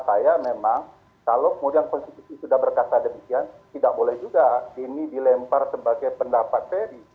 saya memang kalau kemudian konstitusi sudah berkata demikian tidak boleh juga ini dilempar sebagai pendapat ferry